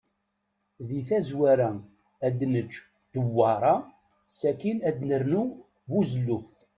Di tazwara, ad nečč dewwaṛa, sakin ad nernu buzelluf.